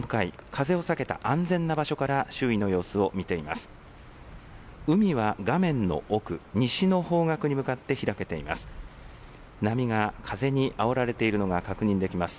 風を避けた安全な場所から周囲の様子を見ています。